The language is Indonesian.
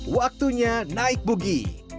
waktunya naik bugi